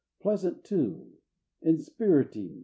"pleasant too!" "Inspiriting!"